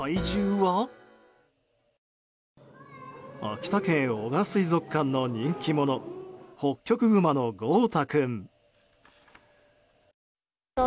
秋田県男鹿水族館の人気者ホッキョクグマの豪太君。